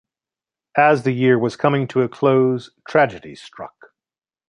As the year was coming to a close, tragedy struck.